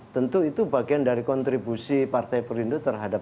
tentu itu bagian dari kontribusi partai perindo terhadap